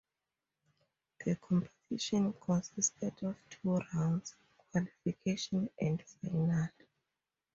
The competition consisted of two rounds, qualification and final.